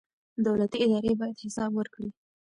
دولتي ادارې باید حساب ورکړي.